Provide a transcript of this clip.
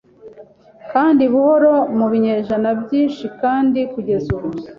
kandi buhoro mu binyejana byinshikandi kugeza ubu